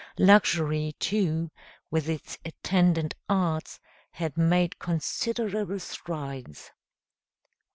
Luxury, too, with its attendant arts, had made considerable strides.